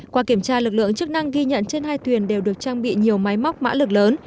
qua kiểm tra lực lượng chức năng ghi nhận trên hai thuyền đều được trang bị nhiều máy móc mã lực lớn